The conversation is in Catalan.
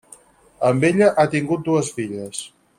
Amb ella ha tingut dues filles.